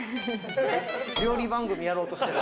料理番組やろうとしてる。